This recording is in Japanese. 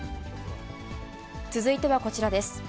続いてはこちらです。